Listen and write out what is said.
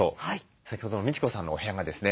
先ほどのみち子さんのお部屋がですね